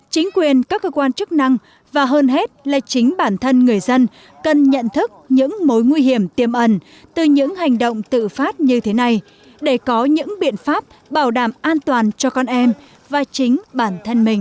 chính quyền các cơ quan chức năng và hơn hết là chính bản thân người dân cần nhận thức những mối nguy hiểm tiềm ẩn từ những hành động tự phát như thế này để có những biện pháp bảo đảm an toàn cho con em và chính bản thân mình